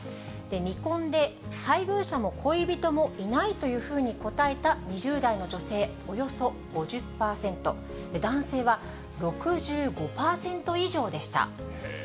未婚で配偶者も恋人もいないというふうに答えた２０代の女性、およそ５０％、男性は６５％以上でした。